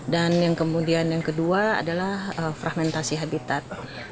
dan yang kemudian yang kedua adalah fragmentasi habitat